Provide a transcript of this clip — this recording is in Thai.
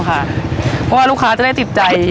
เพราะว่าลูกค้าจะได้ติดใจ